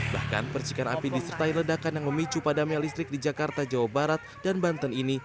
bahkan percikan api disertai ledakan yang memicu padamnya listrik di jakarta jawa barat dan banten ini